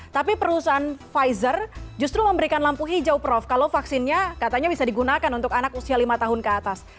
tapi perusahaan pfizer justru memberikan lampu hijau prof kalau vaksinnya katanya bisa digunakan untuk anak usia lima tahun ke atas